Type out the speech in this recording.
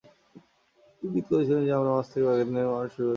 তিনি ইঙ্গিত করেছিলেন যে মাছ থেকে প্রাকৃতিক নিয়মে মানুষের আবির্ভাব হয়েছে।